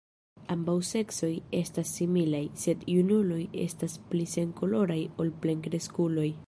Ambaŭ seksoj estas similaj, sed junuloj estas pli senkoloraj ol plenkreskuloj.